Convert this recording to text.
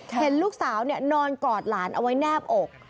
เห็นลูกสาวนอนกอดหลานเอาไว้แนบอก